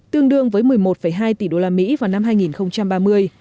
tương đương với một mươi một hai tỷ đô la mỹ vào năm hai nghìn ba mươi